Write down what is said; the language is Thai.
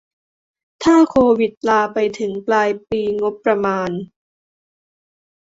ถ้าโควิดลาไปถึงปลายปีงบประมาณ